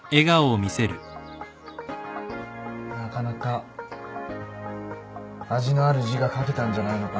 なかなか味のある字が書けたんじゃないのか？